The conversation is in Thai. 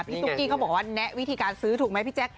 ตุ๊กกี้เขาบอกว่าแนะวิธีการซื้อถูกไหมพี่แจ๊ค